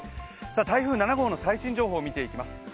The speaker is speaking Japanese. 台風７号の最新情報を見ていきます